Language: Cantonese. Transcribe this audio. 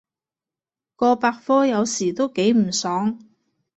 個百科有時都幾唔爽